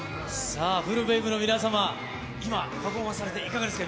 さあ、ＦＵＬＬＢＡＢＥの皆様、今、パフォーマンスされていかがですか？